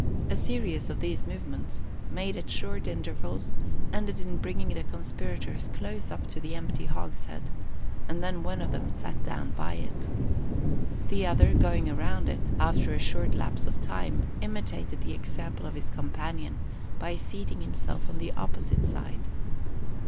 A series of these movements, made at short intervals, ended in bringing the conspirators close up to the empty hogshead; and then one of them sat down by it. The other, going round it, after a short lapse of time, imitated the example of his companion by seating himself on the opposite side.